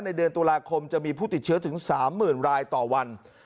เดือนตุลาคมจะมีผู้ติดเชื้อถึง๓๐๐๐รายต่อวัน